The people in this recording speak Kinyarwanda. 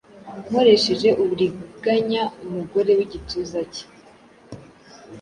nkoresheje uburiganya umugore wigituza cye.